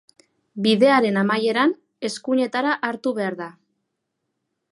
Bidearen amaieran, eskuinetara hartu behar da.